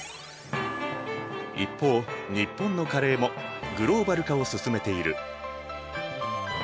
一方日本のカレーもグローバル化を進めている。